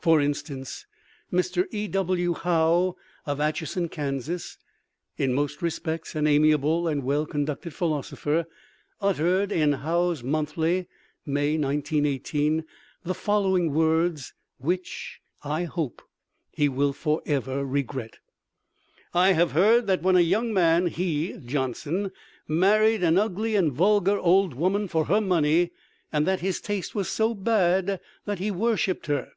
For instance, Mr. E.W. Howe, of Atchison, Kan., in most respects an amiable and well conducted philosopher, uttered in Howe's Monthly (May, 1918) the following words, which (I hope) he will forever regret: "I have heard that when a young man he (Johnson) married an ugly and vulgar old woman for her money, and that his taste was so bad that he worshiped her."